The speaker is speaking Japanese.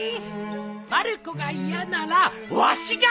まる子が嫌ならわしが！